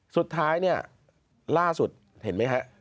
สุดท้ายล่าสุดเห็นไหมคะ